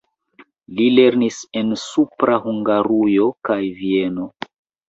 Li lernis en Supra Hungarujo kaj Vieno.